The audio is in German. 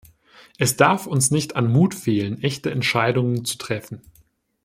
Es darf uns nicht an Mut fehlen, echte Entscheidungen zu treffen.